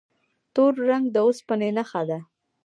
تور رنګ د اوسپنې نښه ده.